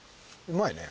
うまいね。